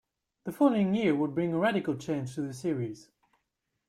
The following year would bring a radical change to the series.